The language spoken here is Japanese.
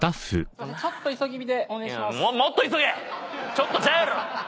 「ちょっと」ちゃうやろ！